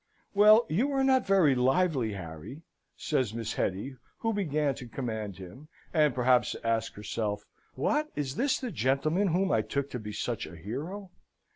"Well, you are not very lively, Harry," says Miss Hetty, who began to command him, and perhaps to ask herself, "What? Is this the gentleman whom I took to be such a hero?"